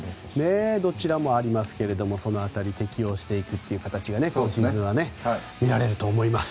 どちらもありますがその辺り適用していく形が今シーズンは見られると思います。